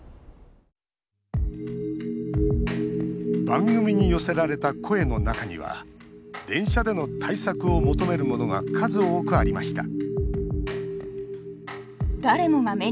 番組に寄せられた声の中には電車での対策を求めるものが数多くありました